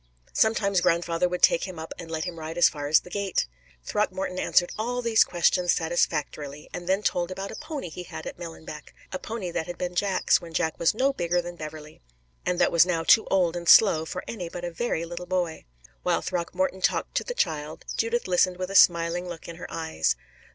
Sometimes grandfather would take him up and let him ride as far as the gate. Throckmorton answered all these questions satisfactorily, and then told about a pony he had at Millenbeck a pony that had been Jack's, when Jack was no bigger than Beverley, and that was now too old and slow for any but a very little boy. While Throckmorton talked to the child, Judith listened with a smiling look in her eyes.